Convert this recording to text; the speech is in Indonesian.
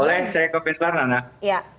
boleh saya ke pintuan nana